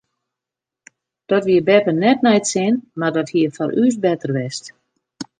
Dat wie beppe net nei it sin mar dat hie foar ús better west.